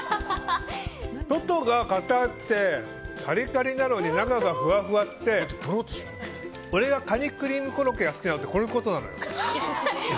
外が硬くてカリカリなのに中がふわふわって俺がカニクリームコロッケを好きなのってこういうことなのよ。